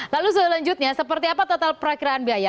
lalu selanjutnya seperti apa total perakiraan biaya